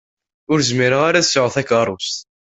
Ur zmireɣ ara ad sɛuɣ takeṛṛust.